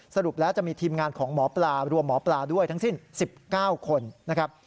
สรุปแล้วจะมีทีมงานของหมอปลารวมหมอปลาด้วยทั้งสิ้น๑๙คนนะครับ